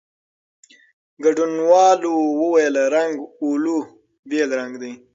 ګډونوالو وویل، رنګ "اولو" بېل رنګ دی.